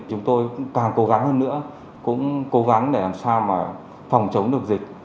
chúng tôi cũng càng cố gắng hơn nữa cũng cố gắng để làm sao mà phòng chống được dịch